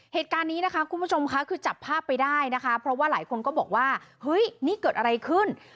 เหตุการณ์นี้นะคะคุณผู้ชมค่ะคือจับภาพไปได้นะคะเพราะว่าหลายคนก็บอกว่าเฮ้ยนี่เกิดอะไรขึ้น